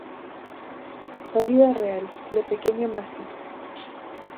Salida real: Le Pequeño Massy.